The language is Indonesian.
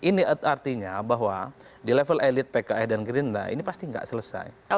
ini artinya bahwa di level elit pks dan gerindra ini pasti nggak selesai